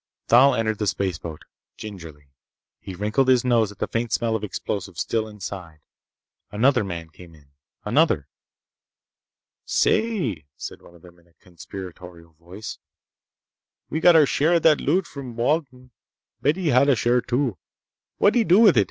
Thal entered the spaceboat. Gingerly. He wrinkled his nose at the faint smell of explosive still inside. Another man came in. Another. "Say!" said one of them in a conspiratorial voice. "We got our share of that loot from Walden. But he hadda share, too! What'd he do with it?